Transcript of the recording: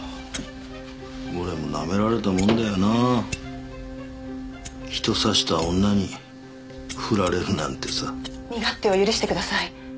俺もなめられたもんだよな人刺した女にふられるなんてさ身勝手を許してください